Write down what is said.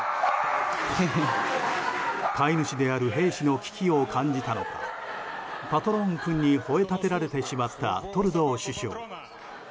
飼い主である兵士の危機を感じたのはパトローン君にほえ立てられてしまったトルドー首相。